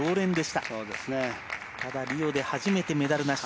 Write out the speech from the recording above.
ただリオで初めてメダルなし。